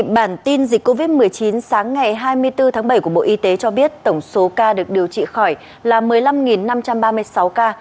bản tin dịch covid một mươi chín sáng ngày hai mươi bốn tháng bảy của bộ y tế cho biết tổng số ca được điều trị khỏi là một mươi năm năm trăm ba mươi sáu ca